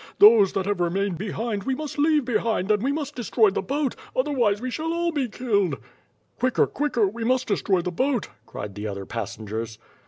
Those that have remained behind we must leave behind and we must destroy the boat, otherwise we shall all be killed!" "Quicker! Quicker! We must destroy the boat," cried the other passengers.